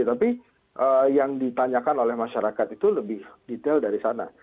tapi yang ditanyakan oleh masyarakat itu lebih detail